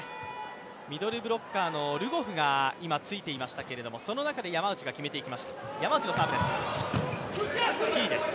ミドルブロッカーのルゴフが今ついていましたけれども、その中で山内が決めていきました。